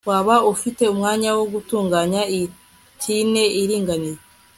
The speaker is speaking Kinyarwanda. waba ufite umwanya wo gutunganya iyi tine iringaniye